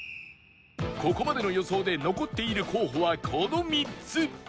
ここまでの予想で残っている候補はこの３つ